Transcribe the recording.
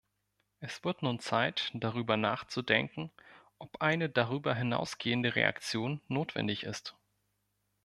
Es wird nun Zeit, darüber nachzudenken, ob eine darüber hinausgehende Reaktion notwendig ist.